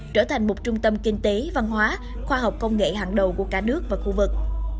trở thành một trung tâm kinh tế văn hóa khoa học công nghệ hàng đầu của cả nước và khu vực